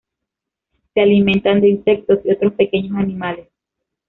Se alimentan de insectos y otros pequeños animales.